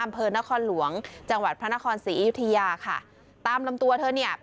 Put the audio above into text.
อำเภอนครหลวงจังหวัดพระนครศรีอยุธยาค่ะตามลำตัวเธอเนี่ย